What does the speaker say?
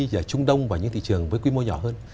ở trung đông và những thị trường với quy mô nhỏ hơn